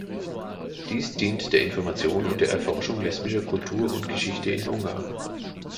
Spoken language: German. Dies dient der Information und der Erforschung lesbischer Kultur und Geschichte in Ungarn.